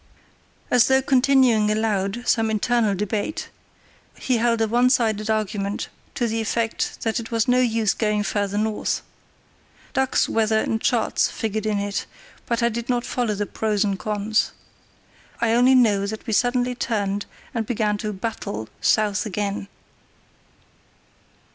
As though continuing aloud some internal debate, he held a onesided argument to the effect that it was no use going farther north. Ducks, weather, and charts figured in it, but I did not follow the pros and cons. I only know that we suddenly turned and began to "battle" south again.